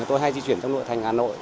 tôi hay di chuyển trong nội thành hà nội